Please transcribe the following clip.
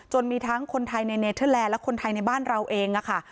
มีทั้งคนไทยในเนเทอร์แลนด์และคนไทยในบ้านเราเองค่ะ